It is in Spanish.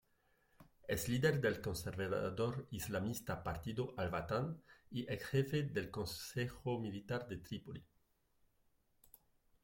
Es líder del conservador islamista Partido al-Watan y exjefe del Consejo Militar de Trípoli.